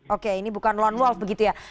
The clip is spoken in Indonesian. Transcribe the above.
oke ini bukan lone wolf begitu ya